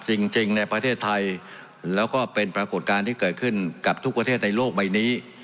จริงจริงในประเทศไทยแล้วก็เป็นปรากฏการณ์ที่เกิดขึ้นกับทุกประเทศในโลกใบนี้